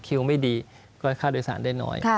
คิวไม่ดีก็ค่าโดยสารได้น้อย